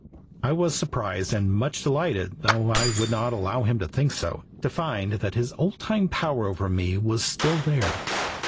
I was surprised and much delighted, though I would not allow him to think so, to find that his old time power over me was still there.